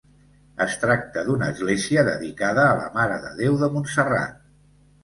Es tracta d'una església dedicada a la Mare de Déu de Montserrat.